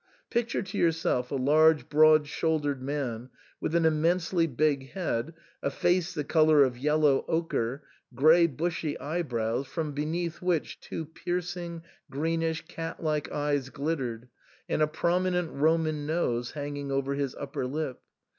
Picture to yourself a large broad shouldered man, with an immensely big head, a face the colour of yellow ochre, grey bushy eyebrows, from beneath which two piercing, greenish, cat like eyes glittered, and a promi nent Roman nose hanging over his upper lip.